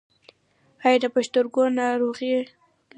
ایا د پښتورګو ناروغي لرئ؟